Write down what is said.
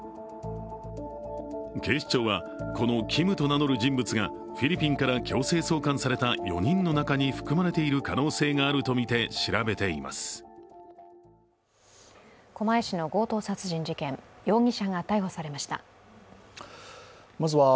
警視庁は、このＫｉｍと名乗る人物がフィリピンから強制送還された４人の中に含まれている可能性があるとみて調べています。